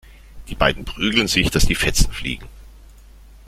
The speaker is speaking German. Die beiden prügeln sich, dass die Fetzen fliegen.